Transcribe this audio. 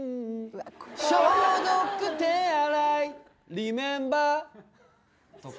消毒手洗いリメンバーとか。